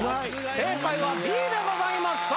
正解はＢでございました！